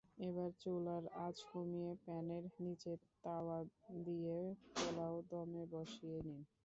এবার চুলার আঁচ কমিয়ে প্যানের নিচে তাওয়া দিয়ে পোলাও দমে বসিয়ে নিন।